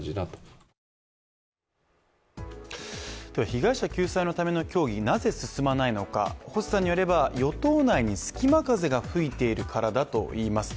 被害者救済のための協議、なぜ進まないのか星さんによれば、与党内に隙間風が吹いているからだといいます。